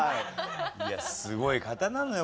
すごい方なのよ